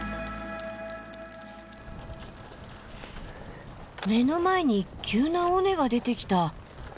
目の前に急な尾根が出てきた。